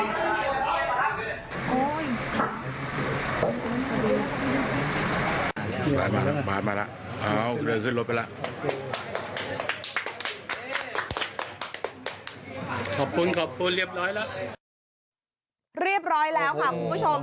เรียบร้อยแล้วค่ะคุณผู้ชม